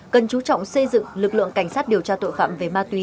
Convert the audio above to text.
cần chú trọng xây dựng lực lượng cảnh sát điều tra tội phạm về ma túy